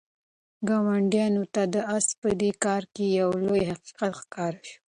ګاونډیانو ته د آس په دې کار کې یو لوی حقیقت ښکاره شو.